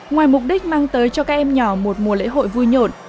ngoài mục đích mang tới cho các em nhỏ một mùa lễ hội vui nhộn